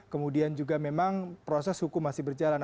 kemudian juga memang proses hukum masih berjalan